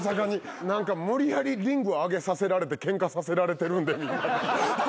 無理やりリング上げさせられてケンカさせられてるんで。